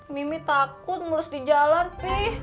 mimi takut mulus di jalan pih